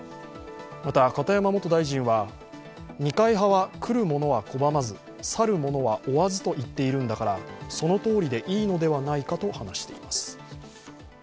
また片山元大臣は、二階派は来るものは拒まず、去る者は追わずと言っているのだから、そのとおりでいいのではないかと話しています。